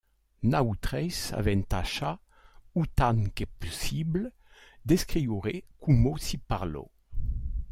Naoutreis aven tacha, ooutan que poussible, d'escrioure coumo si parlo.